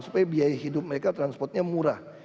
supaya biaya hidup mereka transportnya murah